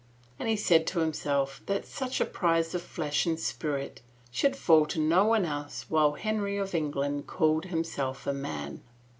And he said to himself that such a prize of flesh and spirit should fall to no one else while Henry of England called himself a man.